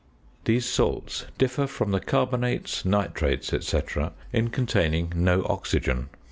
These salts differ from the carbonates, nitrates, &c., in containing no oxygen.